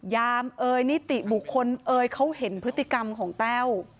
ยามเอยนิติบุคคลเอ่ยเขาเห็นพฤติกรรมของแต้ว